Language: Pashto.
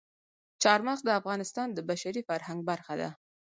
چار مغز د افغانستان د بشري فرهنګ برخه ده.